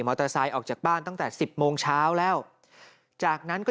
มอเตอร์ไซค์ออกจากบ้านตั้งแต่สิบโมงช้าแล้วจากนั้นก็